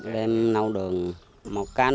lên nâu đường một can ba mươi lít là hai can